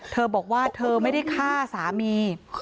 เธอบอกว่าเธอไม่ได้ฆ่าสามี